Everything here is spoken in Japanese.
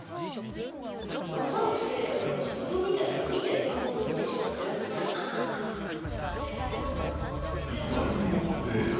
朝起きて、外見たら、見ちゃいかんもの見てしまったなみたいに思って。